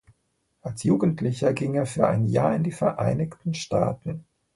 Als Jugendlicher ging er für ein Jahr in die Vereinigten Staaten.